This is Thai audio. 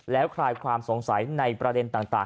แล้วคลายความสงสัยในประเด็นต่าง